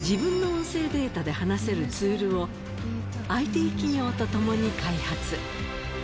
声を失った人が自分の音声データで話せるツールを、ＩＴ企業と共に開発。